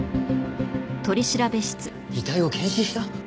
遺体を検視した？